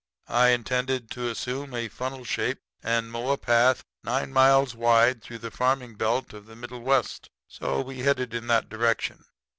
"I intended to assume a funnel shape and mow a path nine miles wide through the farming belt of the Middle West; so we headed in that direction.